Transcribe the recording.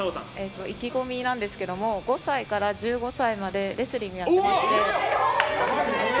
意気込みなんですが５歳から１５歳までレスリングをやっていて。